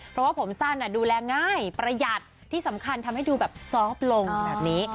เพราะว่าผมสั้นดูแลง่ายประหยัดที่สำคัญทำให้ดูแบบซอฟต์ลงแบบนี้